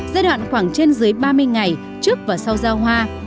giai đoạn khoảng trên dưới ba mươi ngày trước và sau giao hoa